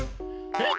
えっ？